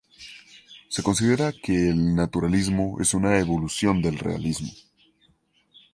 Se considera que el Naturalismo es una evolución del Realismo.